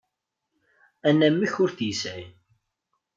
Anamek ur t-yesɛi.